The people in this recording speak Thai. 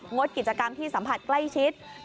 ดกิจกรรมที่สัมผัสใกล้ชิด